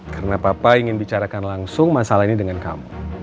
karena papa ingin bicarakan langsung masalah ini dengan kamu